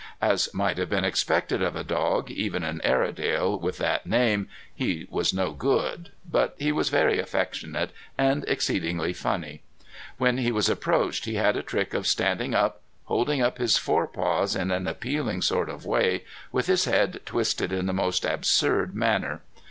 As might have been expected of a dog, even an Airedale, with that name, he was no good. But he was very affectionate, and exceedingly funny. When he was approached he had a trick of standing up, holding up his forepaws in an appealing sort of way, with his head twisted in the most absurd manner.